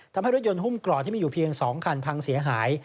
ทำให้รถยนต์หุ้มกร่อที่มีอยู่เพียง๒คันพังเสียหาย